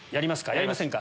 やりませんか？